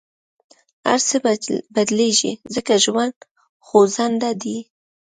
هر څه بدلېږي، ځکه ژوند خوځنده دی.